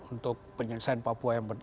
untuk penyelesaian papua yang